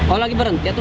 oh lagi berhenti